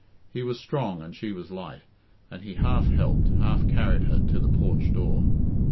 He was strong and she was light, and he half helped, half carried her to the porch door.